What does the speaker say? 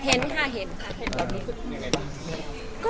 เห็นค่ะเห็นค่ะ